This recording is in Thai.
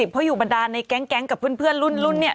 เพราะอยู่บรรดาในแก๊งกับเพื่อนรุ่นเนี่ย